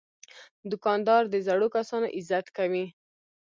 دوکاندار د زړو کسانو عزت کوي.